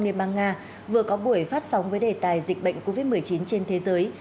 liên bang nga vừa có buổi phát sóng với đề tài dịch bệnh covid một mươi chín trên thế giới